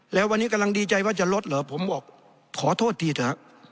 แล้ววันนี้กำลังดีใจว่าจะลดเหรอผมบอกขอโทษทีเถอะ